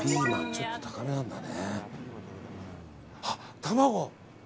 ちょっと高めなんだね。